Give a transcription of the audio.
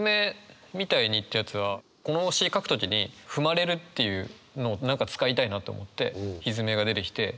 ってやつはこの詩書く時に「踏まれる」っていうのを何か使いたいなと思って「蹄」が出てきて。